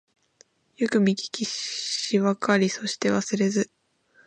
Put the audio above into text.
よくみききしわかりそしてわすれず